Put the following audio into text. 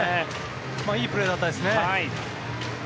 いいプレーだったですね。